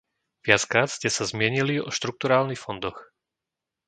Viackrát ste sa zmienili o štrukturálnych fondoch.